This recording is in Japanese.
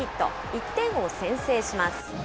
１点を先制します。